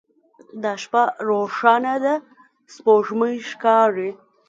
دا شپه روښانه ده سپوږمۍ ښکاري